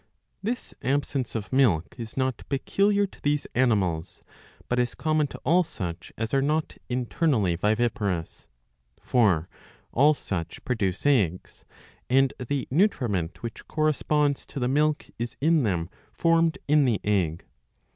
This absence of milk is not peculiar to these animals, but is common to all such as are not internally viviparous. 2* For all such produce eggs, and the nutriment which corresponds to the milk is in them formed in the egg.